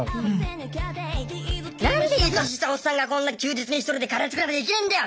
何でいい年したおっさんがこんな休日に１人でカレー作らなきゃいけねえんだよ！